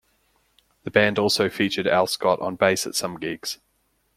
The band also featured Al Scott on bass at some gigs.